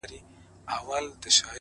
څه رنګه سپوږمۍ ده له څراغه يې رڼا وړې ـ